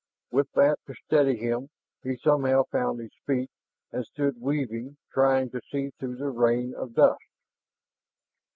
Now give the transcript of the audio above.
With that to steady him, he somehow found his feet, and stood weaving, trying to see through the rain of dust.